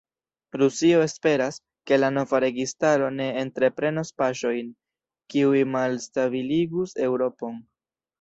Rusio esperas, ke la nova registaro ne entreprenos paŝojn, kiuj malstabiligus Eŭropon.